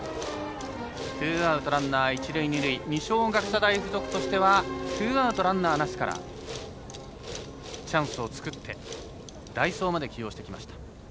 ツーアウトランナー、一塁、二塁二松学舎大付属としてはツーアウト、ランナーなしからチャンスを作って代走まで起用してきました。